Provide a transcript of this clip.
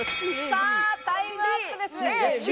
さぁタイムアップです。